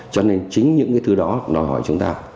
cho nên chính những cái thứ đó đòi hỏi chúng ta